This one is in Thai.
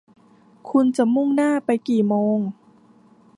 คุณจะมุ่งหน้าไปกี่โมง